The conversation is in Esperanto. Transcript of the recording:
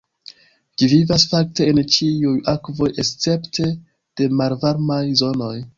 Ĝi vivas fakte en ĉiuj akvoj, escepte de malvarmaj zonoj.